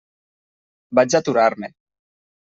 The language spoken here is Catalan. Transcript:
Vaig aturar-me.